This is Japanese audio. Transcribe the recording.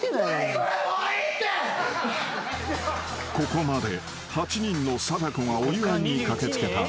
［ここまで８人の貞子がお祝いに駆け付けた］